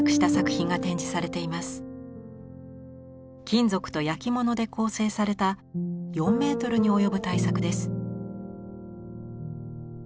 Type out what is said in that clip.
金属と焼き物で構成された４ｍに及ぶ大作です。